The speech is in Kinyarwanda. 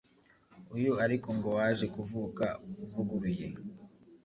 uyu ariko ngo waje kuvuka uvuguruye